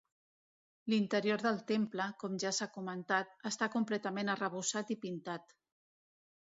L'interior del temple, com ja s'ha comentat, està completament arrebossat i pintat.